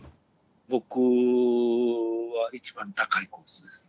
僕はいちばん高いコースです。